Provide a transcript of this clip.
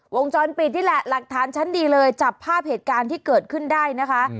วงจรปิดนี่แหละหลักฐานชั้นดีเลยจับภาพเหตุการณ์ที่เกิดขึ้นได้นะคะ